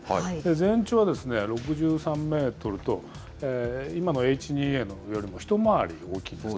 全長は６３メートルと、今のＨ２Ａよりも一回り大きいんですね。